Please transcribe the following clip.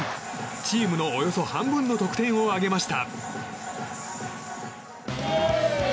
チームのおよそ半分の得点を挙げました。